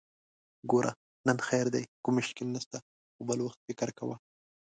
ګوره! نن خير دی، کوم مشکل نشته، خو بل وخت فکر کوه!